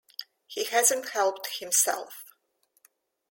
He hasn't helped himself.